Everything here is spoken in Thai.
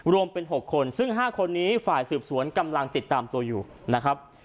รวมเป็น๖คนซึ่ง๕คนนี้ฝ่ายสืบสวนกำลังติดตามตัวอยู่นะครับ